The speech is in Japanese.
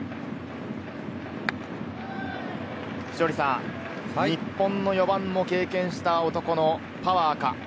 稀哲さん、日本の４番も経験した男のパワーか。